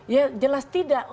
ya jelas tidak